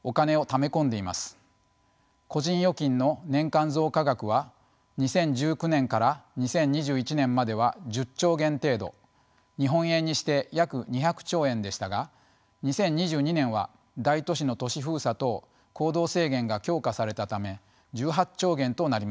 個人預金の年間増加額は２０１９年から２０２１年までは１０兆元程度日本円にして約２００兆円でしたが２０２２年は大都市の都市封鎖等行動制限が強化されたため１８兆元となりました。